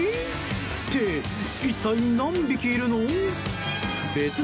って、一体何匹いるの？